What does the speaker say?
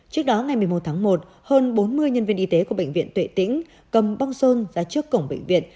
trước đó ngày một mươi một tháng một hơn bốn mươi nhân viên y tế của bệnh viện tuệ tính cầm bong sôn ra trước cổng bệnh viện